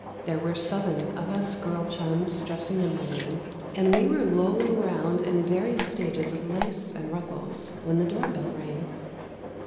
There were seven of us girl chums dressing in my room, and we were lolling round in various stages of lace and ruffles when the door bell rang.